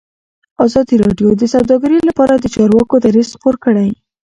ازادي راډیو د سوداګري لپاره د چارواکو دریځ خپور کړی.